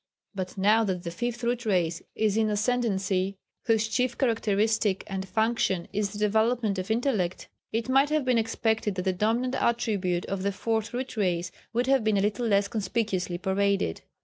But now that the Fifth Root Race is in ascendency, whose chief characteristic and function is the development of intellect, it might have been expected that the dominant attribute of the Fourth Root Race would have been a little less conspicuously paraded.